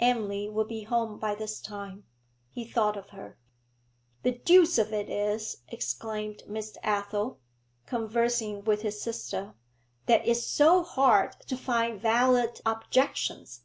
Emily would be home by this time. He thought of her.... 'The deuce of it is,' exclaimed Mr. Athel, conversing with his sister, 'that it's so hard to find valid objections.